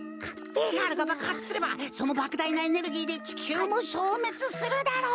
Ａガールがばくはつすればそのばくだいなエネルギーでちきゅうもしょうめつするだろう。